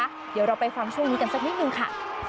เดี๋ยวเราไปฟังช่วงนี้กันสักนิดนึงค่ะ